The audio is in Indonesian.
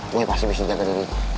boy pasti bisa jaga diri